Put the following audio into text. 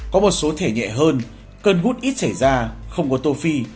có một số thể nhẹ hơn cơn gút ít xảy ra không có tô phi